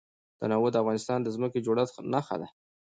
تنوع د افغانستان د ځمکې د جوړښت نښه ده.